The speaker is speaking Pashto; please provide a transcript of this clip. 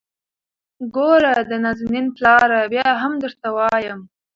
ګوره د نازنين پلاره ! بيا هم درته وايم.